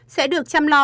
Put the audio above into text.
sẽ được chăm lo